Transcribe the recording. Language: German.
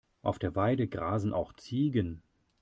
Auf der Weide grasen auch Ziegen.